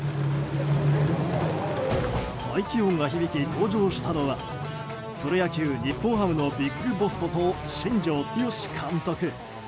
排気音が響き、登場したのはプロ野球日本ハムのビッグボスこと、新庄剛志監督。